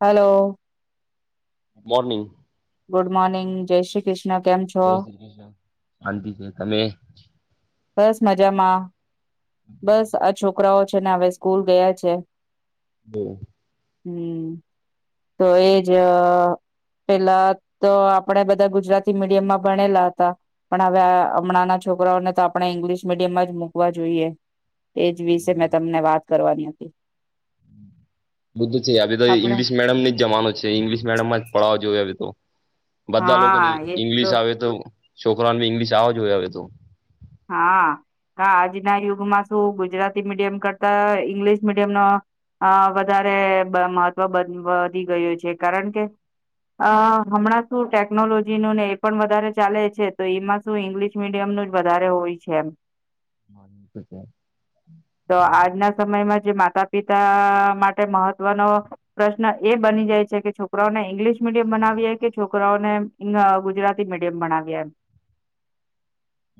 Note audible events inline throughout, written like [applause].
Hello morning good morning જય શ્રી કૃષ્ણ કેમ છો જય શ્રી કૃષ્ણ શાંતિ છે તમે બસ મજામાં બસ આ છોકરાઓ છે છે ને હવે સ્કૂલ ગયા છે હમ્મ હમ્મ તો એજ પેલા તો આપણેે બધા ગુજરાતી મીડિયમમાં ભણેલા હતા પણ હ હમણાં ના છોકરાઓને તો આપણે ઇંગ્લિશ મીડિયમમાં જ મૂકવા જોઈએ એજ વિશે મેં તમને વાત કરવાની હતી બધું છે તો આપણે ઇંગ્લિશ મીડિયમ જમાનું છે ઇંગ્લિશ મીડિયમ માં જ પડાવવા જોયું હવે તો બધા હા લોકોની એજ ઇંગ્લિશ આવે તો છોકરાને બી ઇંગ્લિશ આવો જ હોય હવે તો. હા આજના યુગમાં શું ગુજરાતી મીડિયમ કરતા ઈંગ્લિશ મીડિયમ નો વધારે મહત્વ વધી ગયું છે કારણ કે અ હમણાં શું ટેકનોલોજી ન ને એ પણ વધારે ચાલે છે તો એમાં શું ઇંગ્લિશ મીડિયમનું વધારે હોય છે એમ. તો આજના સમયમાં જે [inaudible] માતા પિતા માટે મહત્વનો પ્રશ્ન એ બની જાય છે કે છોકરાઓને ઇંગ્લિશ મીડ બનાવીએ કે છોકરાઓને ગુજરાતી મીડિયમણ્યા એમ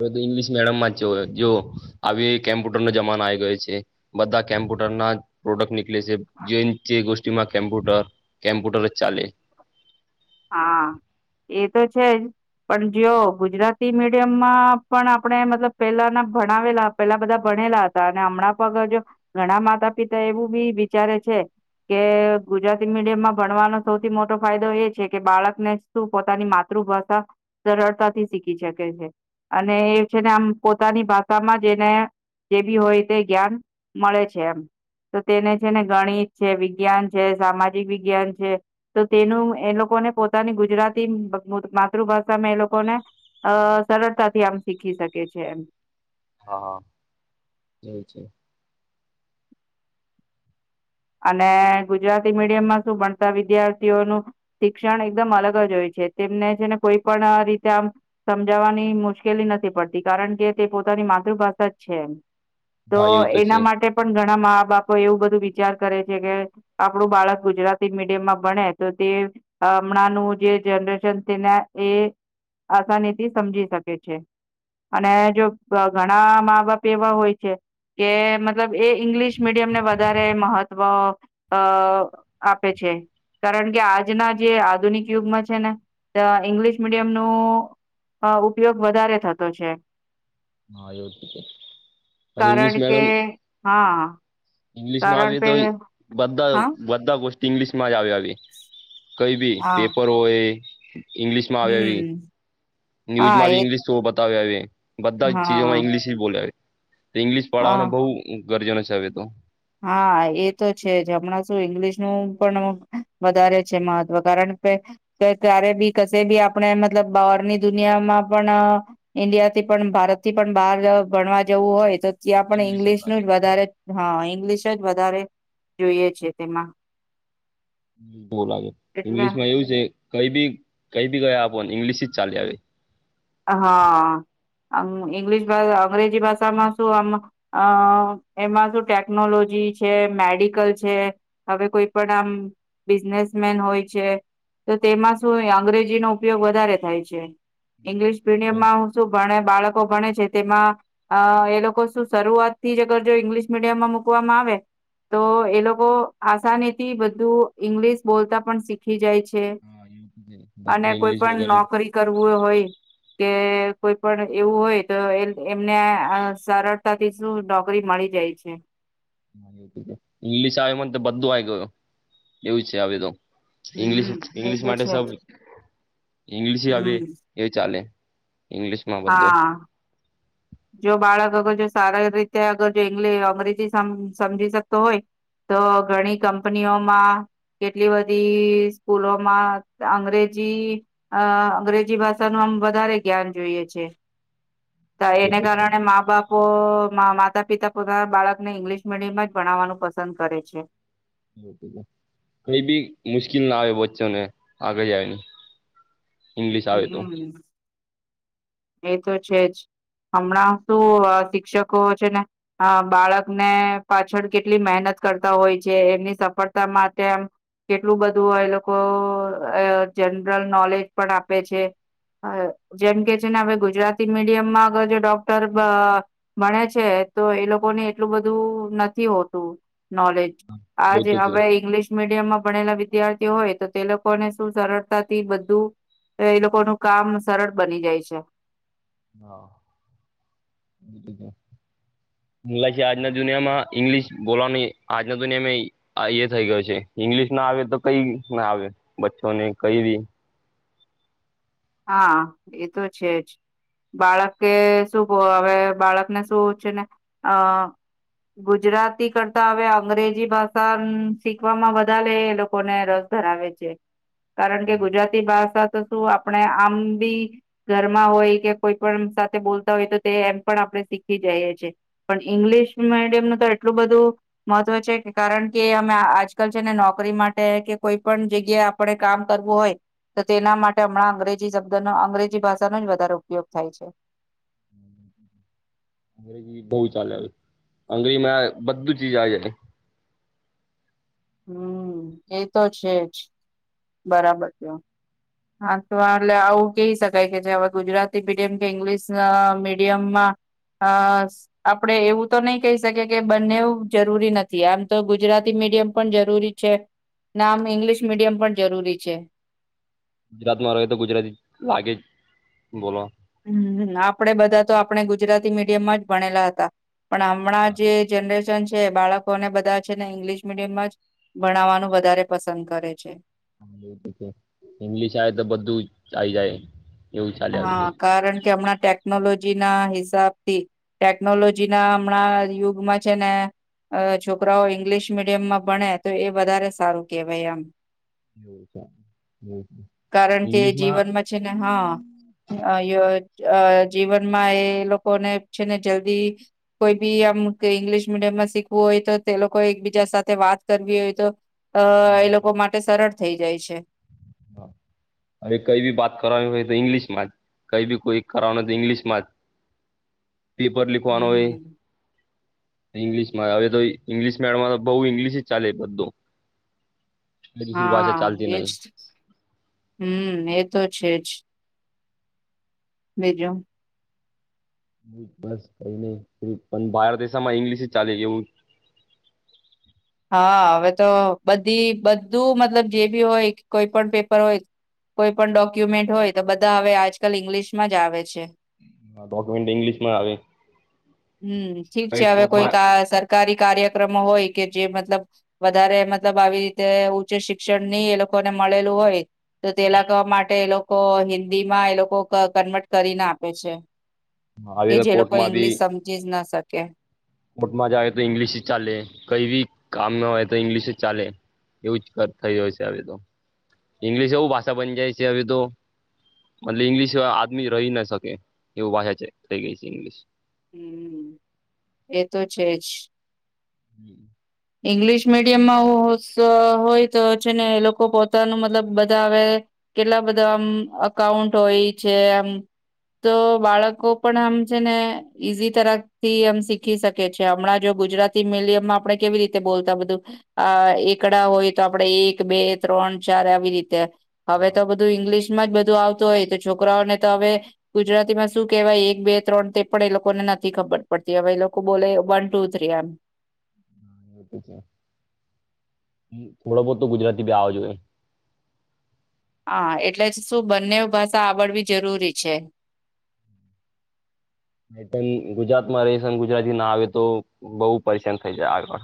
બધું ઇંગ્લિશ મીડિયમમાં જ જો આવી કેમ્પ્યુટર નો જમાનો આવી ગયો છે બધા કેમ્પ્યુટર ના પ્રોડક્ટ નીકળે છે જે જે ગોષીમાં કેમ્પ્યુટર કેમ્પ્યુટર જ ચાલે હા એ તો છેજ પણ જો ગુજરાતી મીડિયમમાં પણ આપણે મતલબ પેલાના ભણાવેલા પેલા બધા ભણેલા હતા અને હમણાં પગ જો ઘણા માતા પિતા એવું બી વિચારે છે કે ગુજરાતી મીડિયમમાં ભણવાનો સૌથી મોટો ફાયદો એ છે. બાળકને શું પોતાની માતૃભાષા સરળતાથી શીખી શકે છે અને એ છે ને આમ પોતાની ભાષામાં જેને જે બી હોય તે જ્ઞાન મળે છે એમ તો તેને છે ને ગણિત છે વિજ્ઞાન છે સામાજિક વિજ્ઞાન છે તો તેનું એ લોકો લોકોને પોતાની ગુજરાતી માતૃભાષામાં એ લોકોને અ સરળતાથી આમ શીખી શકે છે એમ. હા એ છે. અને ગુજરાતી મીડિયમમાં શું ભણતા વિદ્યાર્થીઓનું શિક્ષણ એકદમ અલગ જ હોય છે તેમને છેને કોઈ પણ રીતે આમ સમજાવવાની મુશ્કેલી નથી પડતી કારણ કે તે પોતાની માતૃભાષા જ છે એ. તો હા એવું છે એના માટે પણ ઘણા મા બાપ કોય એવ બધ. વિચાર કરે છે કે આપણું બાળક ગુજરાતી મીડિયમમાં ભણે તો તે હમણાંનું જે જનરેશન તેને એ આસાનીથી સમજી શકે છે અને જો ઘણા મા બાપ એવા હોય છે કે મતલબ એ ઇંગ્લિશ મીડિયમ ને વધારે મહત્વ આપે છે કારણ કે આજના જે આધુનિક યુગમાં છે ને ઈંગ્લિશ મીડિયમ નો ઉપયોગ વધારે થતો છે. હા એવ છે અને કારણ ઇંગ્લિશ કે મેડિયમ. હા ઇંગ્લિશ માં કારણ આવી કે તો હા બધા બધા ગો ઇંગ્લશમાં આવે કઈ ભી હા પેપર હોય ઈંગ્લિશમાં આવે આવી હમ હા ન્યૂઝમાંી એ ઇંગ્લિશ જો આવે બધા હા ચીજમાં ઇ્લિશી બોલે આવે તો ઇંગ્લિશ હા પડવાનું બઉ ગરજન છવે તો હા એ તો છે જ હમણાં શું ઇંગ્લિશનુંું પણ વધારે છે મહત્વ કારણ કે ક્યારે બી કશે બી આપણે મતલબ બહારની દુનિયામાં પણ ઈન્ડિયા થી પણ ભારતથી પણ બહાર ભણવા જવું હોય તો કે આપણે ઇંગ્લિશ ઈંગ્લિશ ન લાગે જ વધારે હા ઇંગ્લિશ જ વધારે જોઈએ છે તેમાં બાગે એટલે ઈંગ્લિશ માં એવું છે કઈ બી કઈ બી ગયા આપો ને ઈંગ્લિશ ચાલી આવી આવીી હા ઈંગ્લિશ અંગ્રેજી ભાષામાં શું આમ એમાં શું ટેકનોલોજી છે મેડિકલ છે હવે કોઈ પણ આમ બિઝનેસમેન હોય છે તો તેમાં શું અંગ્રેજીનોો ઉપયોગ વધારે થાય છે. ઈંગ્લિશ મીડિયમમાં હું શું ભણે બાળકો ભણે છે. તેમાં એ લોકો શું શરૂઆત થી જ અગર જો ઈંગ્લિશ મીડિયમમાં મુૂકવામાં આવે તો એ લોકો આસાની થી બધું ઈંગ્લિશ બોલતા પણ શીખી જાય છે. અને બધા કોઈ ઇંગ્લિશ પણ વગેરે નોકરી કરવું હોય કે કોઈ પણ એવું હોય તો એ એમને સરળતાથી શું નોકરી મળી જાય છે. ઇંગ્લિશ આવે મને તો બધું આવી ગયું એવું છે આવે તો ઇંગ્લશ હમ એ ઇંગ્લિશ તો માટે છે સબ જ ઇંગ્લિશ આવી હમ એ ચાલે ઇંગ્લિશ. હા. જો બાળક અગર જો સારી રીતે અગર જો ઇ્ અંગ્રેજી સમ સમજી શકતો હોય તો ઘણી કંપનીઓમાં કેટલી બધી સ્કૂલોમાં અંગ્રેજી અંગ્રેજી ભાષાનું આમ વધારે જ્ઞાન જોઈએ છે. તો એના બધું છે કારણે મા બાપો માતા પિતા પોતાના બાળકને ઇંગ્લિશ મીડિયમ જ ભણાવવાનું પસંદ કરે છે. કઈ બી મુશ્કેલ ના આવે વચ્ચો ને આગળ જ આવેની ઇંગ્લિશ આવે તું હમ એ તો છે જ હમણાં શું શિક્ષકો છે ને બાળકને પાછળ કેટલી મહેનત કરતા હોય છે એમની સફળતા માટે એમ કેટલું બધું એ લોકો જનરલ નોલેજ પણ આપે છે જેમ કે ને હવે ગુજરાતી મીડિયમમાં અગર જો ડોક્ટર ભણે છે તો એ લોકો ને એટલું બધું નથી હોતું નોલેજ એવું આાજે તો છે હવે ઈંગ્લિશ મીડિયમ માં ભણેલા વિદ્યાર્થીઓ હોય તો તે લોકોને શું સરળતાથી બધું એ લોકોનું કામ સરળ બની જાય છે. ચ [inaudible] હાલા આજના દુનિયામાં ઈંગ્લિશ બોલવાની આજના દુનિયામાં એ થઈ ગયો છે ઈંગ્લિશ ના આવે તો કઈ ના આવે બચ્ચોને કઈ બી હા એ તો છે જ બાળકે શું હવે બાળકને શું છે ને અ ગુજરાતી કરતા હવે અંગ્રેજી ભાષા શીખવામાં બાારે એ લોકોને રસ ધરાવે છે. કારણ કે ગુજરાતી ભાષા તોું. આપણે આમ બી ઘરમાં હોય કે કોઈ પણ સાથે બોલતા હોય તો તે એમ પણ આપણે શીખી જઈએ છેએ પણ ઈંગ્લિશ મીડિયમનું તો એટલું બધું મહત્વ છે કારણ કે અમે આજકાલ છે ને નોકરી માટે કે કોઈ પણ જગ્યાએ આપણે કામ કરવું હોય તો તેના માટે હમણાં અંગ્રેજી શબ્દનો અંગ્રેજી ભાષાનો જ વધારે ઉપયોગ થાય છે. અંગ્રેજી બહ ચાલે અંગ્રેજી માં બધું ચીજ આ જાય. હમ એ તો છે જ. બરાબર છેયો હા તો એટલે આવું કહી શકાય કે જે હવે ગુજરાતી મીડિયમ કે ઈંગ્લિશ મીડિયમમાં અ આપડે એવું તો નહી કહી શકીએ કે બંનેવું જરૂરી નથી આમ તો ગુજરાતી મીડિયમ પણ જરૂરી છે આમ ઈંગ્લિશ મીડિયમ પણ જરૂરી છે. ગુજરાતમાં ર તો ગુજરાતી લાગે જ બોલવા. હમ આપડણે બધા તો આપણે ગુજરાતી મીડિયમમાં જ ભણેલા હતા. પણ હમણાં જે જનરેન છે બાળકોને બધા છે ને ઇંગ્લિશ મીડિયમ જ ભણાવવાનું વધારે પસંદ કરે છે. ઇંગ્લિશ આવે તો બધું આઈ જાય. એવું ચાલે આવી હા ગયું કારણ કે હમણાં ટેકનોલોજી ના હિસાબ થી ટેકનોલોજી ના હમણાં યુગમાં છે ને છોકરાઓ ઇંગ્લિશ મીડિયમમાં ભણે તો એ વધારે સારું કેહેવાય એમ. એા હ કારણ કે ઇંગ્લિશ માં જીવનમાં છે ને હા અ જીવનમાં એ લોકોને છે ને જલ્દી કોઈ બી આમ ઇંગ્લિશ મીડિયમમાં શીખવું હોય તો તે લોકો એકબીજા સાથે વાત કરવી હોય તો. અ એ લોકો માટે સરળ થઈ જાય છે. હવે કઈ ભી વાત કરવાની હોય તો ઈંગ્લિશ માં જ કઈ બી કોઈ કરવાનું હોય તો ઈંગ્લિશમાં જ. પેપર લિખવાનો હોય હમ ઇંગ્લિશમાં હવે તો ઇંગ્લિશ મેડમ તો બહુ ઈંગ્લિશ જ ચાલે બધો બ ફરી ભાષા ચાલતી નહીં. હમ્મ એ તો છે જ બીજો બસ કઈ નહી પણ બહાર દેશામાં ઈંગ્લિશ ચાલે એવું હા હવે તો બધી બધું મતલબ જે બી હોય કોઈ પણ પેપર હોય કોઈ પણ ડોક્યુમેન્ટ હોય તો બધા હવે આજકાલ ઈંગ્લિશમાં જ આવે છે ડોક્યુમેન્ટ ઇંગ્લિશમાં આવે હમ્મ ઠીક છે કઈ હવે કોઈક કોર્ટમાં સરકારી કાર્યક્રમો હોય કે જે મતલબ વધારે મતલબ આવી રીતે ઉચ્ચ શિક્ષણ નહી એ લોકોને મળેલું હોય તો તે લાગવા માટે એ લોકો હિન્દી માં એ લોકો કન્વર્ટ કરીને આપે છે આવે કે તો જે લોકો ઈંગ્લિશ સમજી જ ના શકે કે મોટમાં જ આવે તો ઈંગ્લિશ ચાલે કઈ બી કામ ન હોય તો ઈંગ્લિશ જ ચાલે એવું જ થઈ ગયો છે હવે તો ઈંગ્લિશ એવું ભાષા બની જાય છે હવે તો મતલબ ઈંગ્લિશ આદમી રહી ના શકે એવું ભાષાછે થઈ ગઈ છે ઇંગલીશ હમ્મ એ તો છે જ હમ્મ ઈંગ્લિશ મીડિયમમાં હોય તો છેને એ લોકો પોતાનું મતલબ બધા હવે કેટલા બધા આમ અકાઉન્ટ હોય છે એમ તો બાળકો પણ આમ છે ને ઈઝી તરથી આમ શીખી શકે છે હમણાં જો ગુજરાતી મીડિયમમાં આપણે કેવી રીતે બોલતા બધું આ એકડા હોય તો આપણેે એક બે ત્રણ ચાર આવી રીતે હવે હા તો બધું ઇંગ્લિશ જ બધું આવતું હોય તો છોકરાઓને તો હવે ગુજરાતીમાં શું કેહેવાય એક બે ત્રણ તે પણ એ લોકોને નથી ખબર પડતી હવે એ લોકો બોલે વન ટુ થ્રી આમ થોડો બહોત તો ગુજરાતી ભી આવા જાયે હા એટલે જ શું બંને ભાષા આવડવી જરૂરી છે ગુજરાત માં રહીશ અને ગુજરાતી ના આવે તો બહુ પરેશાન થઈ જાય આગળ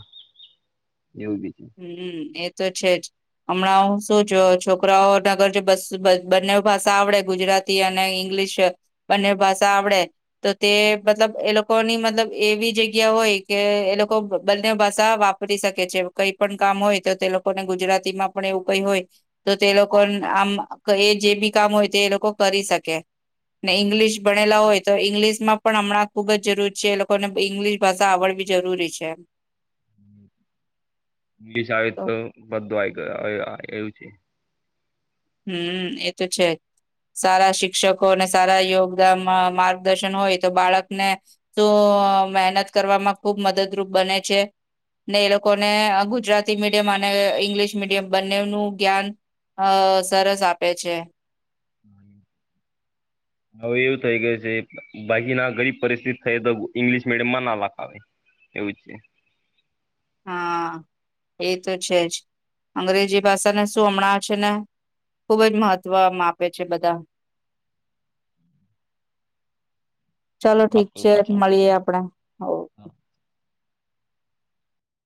એવું બી છે હમ્મ એ તો છે જ હમણાં શું જો છોકરાઓ નગર જો બસ બંને ભાષા આવડે ગુજરાતી અને ઈંગ્લિશ બંને ભાષા આવડે તો તે મતલબ એ લોકોની મતલબ એવી જગ્યા હોય કે એ લોકો બંને ભાષા વાપરી શકે છે કઈ પણ કામ હોય તો તે લોકોને ગુજરાતીમાં પણ એવું કઈ હોય તો તે લોકો આમ એ જે બી કામ હોય તે એ લોકો કરી શકે ને ઈંગ્લિશ ભણેલા હોય તો ઈંગ્લિશ માં પણ હમણાં ખૂબ જ જરૂરી છે એ લોકોને ઈંગ્લશ ભાષા આવડવી જરૂરી છે ઇંગલિશ આવી તો બધું આવી ગયો હવે આ એવું છે હમ્મ એ તો છે સારા શિક્ષકો અને સારા યોગદાન માર્ગદર્શન હોય તો બાળકને શું મહેનત કરવામાં ખુબ મદદરૂપ બને છે ને એ લોકોને ગુજરાતી મીડિયમ અને ઈંગ્લિશ મીડિયમ બંનેનું જ્ઞાન અ સરસ આપે છે હવે એવું થઈ ગયું છે બાકી ના ગરીબ પરિસ્થિતિ થઈ તો ઇંગ્લિશ મીડિયમમાં ના લખાવે એવું જ છે હા એ તો છે જ અંગ્રેજી ભાષાને શું હમણાં છે ને ખુબ જ મહત્વમ આમ આપે છે બધા ચાલો વાત ઠીક કરું છે પાછા મળીએ આપડે ઓકે